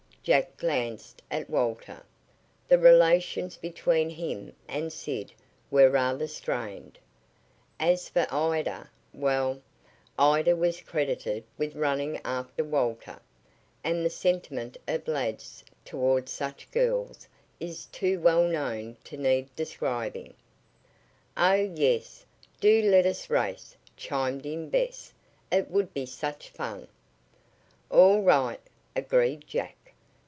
Jack glanced at Walter. The relations between him and Sid were rather strained. As for Ida well, Ida was credited with "running after Walter," and the sentiment of lads toward such girls is too well known to need describing. "Oh, yes! Do let us race!" chimed in Bess. "It would be such fun!" "All right," agreed Jack.